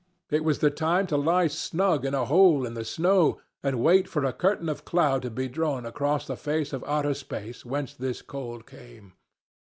It was the time to lie snug in a hole in the snow and wait for a curtain of cloud to be drawn across the face of outer space whence this cold came.